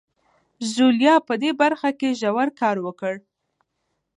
ژوليا په دې برخه کې ژور کار وکړ.